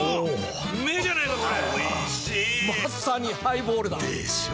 うめぇじゃないかこれ美味しいまさにハイボールだでっしょ？